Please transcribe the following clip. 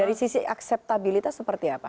dari sisi akseptabilitas seperti apa